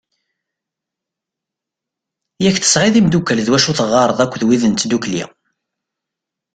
Yak tesɛiḍ imddukal d wacu i teɣɣareḍ akked wid n tddukli.